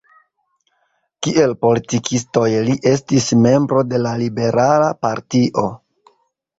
Kiel politikistoj li estis membro de la liberala partio.